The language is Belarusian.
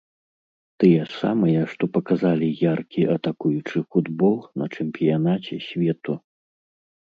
Тыя самыя, што паказалі яркі атакуючы футбол на чэмпіянаце свету.